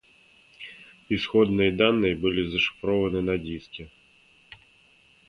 Исходные данные были зашифрованы на диске